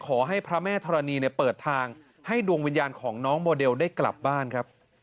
พระแม่ธรณีเปิดทางให้ดวงวิญญาณของน้องโมเดลได้กลับบ้านครับ